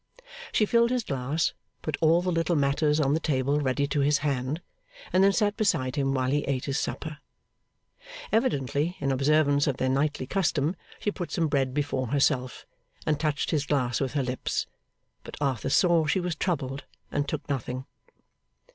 She filled his glass, put all the little matters on the table ready to his hand, and then sat beside him while he ate his supper. Evidently in observance of their nightly custom, she put some bread before herself, and touched his glass with her lips; but Arthur saw she was troubled and took nothing.